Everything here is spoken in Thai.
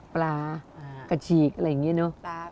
ปลากระฉีกอะไรอย่างนี้เนอะ